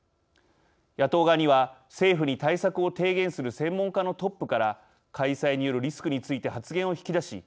野党側には政府に対策を提言する専門家のトップから開催によるリスクについて発言を引き出し